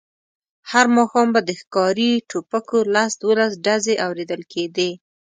هر ماښام به د ښکاري ټوپکو لس دولس ډزې اورېدل کېدې.